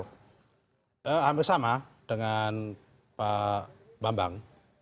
hampir sama dengan pak bambang